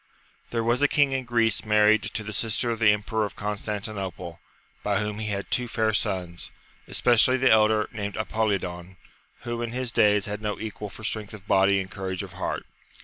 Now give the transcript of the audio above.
^HERE was a king in Greece married to the sister of the emperor of Constantinople, by whom he had two fair sons, especially the elder, named Apolidon, who in his days had no equd for strength of body and courage of heart.